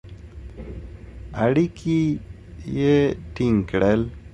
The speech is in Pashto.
اړیکي یې ټینګ کړل.